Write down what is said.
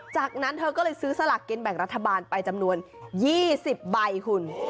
จากนั้นเธอก็เลยซื้อสลากกินแบ่งรัฐบาลไปจำนวน๒๐ใบคุณ